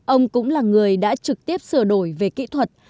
ông cũng là người đã trực tiếp sửa đổi về kỹ thuật